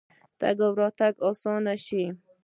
تګ راتګ دې اسانه شي.